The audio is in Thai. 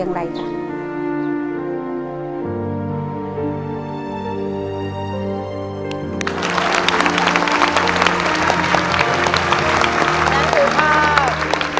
สังหรับลูกครับ